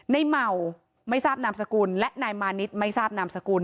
เหมาไม่ทราบนามสกุลและนายมานิดไม่ทราบนามสกุล